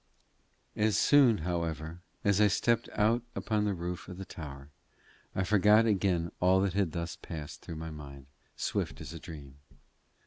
As soon, however, as I stepped out upon the roof of the tower, I forgot again all that had thus passed through my mind, swift as a dream.